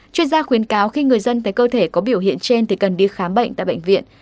chuyên gia khuyến cáo khi người dân thấy cơ thể có biểu hiện trên thì cần đi khám bệnh tại bệnh viện